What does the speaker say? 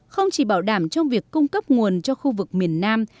không chỉ bảo đảm trong việc cung cấp nguồn cho khu vực miền nam